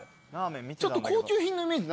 ちょっと高級品のイメージないですか？